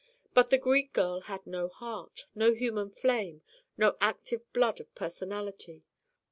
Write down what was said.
But the Greek girl had no heart, no human flame, no active blood of personality.